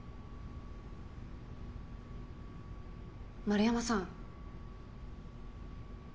円山さん。